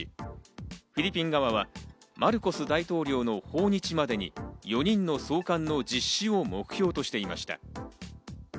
フィリピン側はマルコス大統領の訪日までに４人の送還の実施を目標としていました。